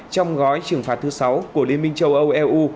trong gói trừng phạt thứ sáu của liên minh châu âu eu